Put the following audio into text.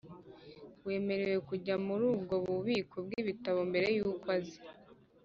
Wemerewe kujya muri ubwo bubiko bw ibitabo mbere y uko aza